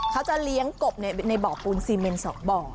เขาจะเลี้ยงกบในบ่อปูนซีเมน๒บ่อ